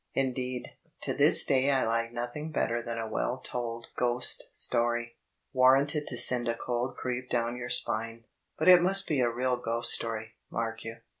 In deed, to this day I like nothing better than a well told ghost Story, warranted to send a cold creep down your spine. But it must be a real ghost story, mark you.